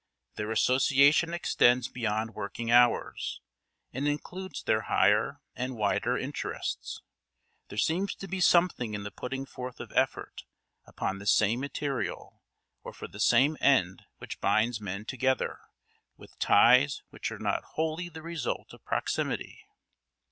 Their association extends beyond working hours, and includes their higher and wider interests. There seems to be something in the putting forth of effort upon the same material or for the same end which binds men together with ties which are not wholly the result of proximity.